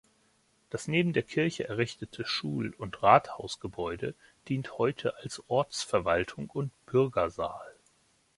Das neben der Kirche errichtete Schul- und Rathausgebäude dient heute als Ortsverwaltung und Bürgersaal.